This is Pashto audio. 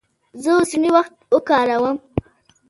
زه اوسنی وخت کاروم.